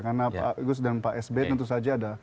karena pak agus dan pak sb tentu saja ada